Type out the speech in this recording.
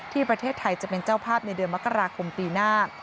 ประเทศไทยจะเป็นเจ้าภาพในเดือนมกราคมปีหน้า